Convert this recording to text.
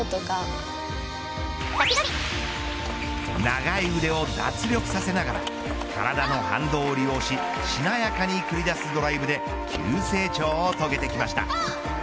長い腕を脱力させながら体の反動を利用ししなやかに繰り出すドライブで急成長を遂げてきました。